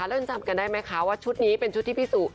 เริ่มจำกันได้ไหมคะว่าชุดนี้เป็นชุดที่พี่สุ